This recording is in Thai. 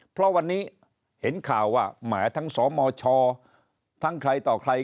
เพราะวันนี้เห็นข่าวว่าแหมทั้งสมชทั้งใครต่อใคร